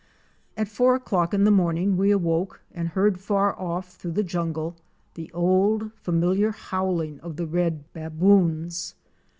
At four o'clock in the morning we awoke and heard far off through the jungle, the old, familiar howling of the red "baboons."